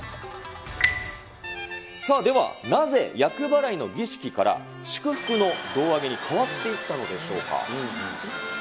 さあ、ではなぜ厄払いの儀式から、祝福の胴上げに変わっていったのでしょうか。